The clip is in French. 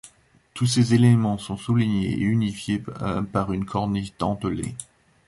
Tous ces éléments sont soulignés et unifiés par une corniche dentelée.